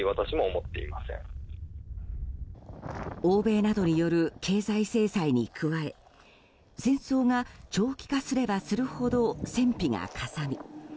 欧米などによる経済制裁に加え戦争が長期化すればするほど戦費がかさみ